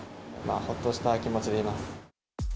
ほっとした気持ちでいます。